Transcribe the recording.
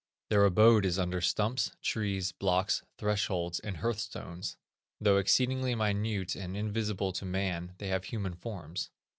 Their abode is under stumps, trees, blocks, thresholds and hearth stones. Though exceedingly minute and invisible to man they have human forms.